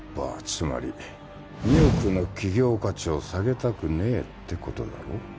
つまり２億の企業価値を下げたくねえってことだろ？